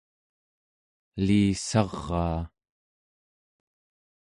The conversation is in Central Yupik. elissaraa